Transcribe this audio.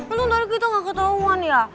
untung tadi kita gak ketahuan ya